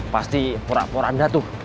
pasti pura pura anda tuh